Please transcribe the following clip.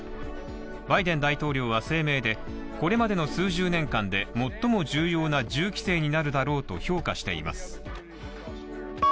バイデン大統領は声明で、これまでの数十年間で最も重要な銃規制になるだろうと評価しています。